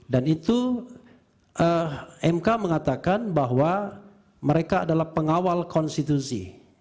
dan itu mk mengatakan bahwa mereka adalah pengawal konstitusi